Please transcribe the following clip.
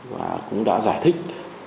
và cũng đã giải thích